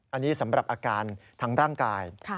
อันนี้สำหรับอาการทางร่างกาย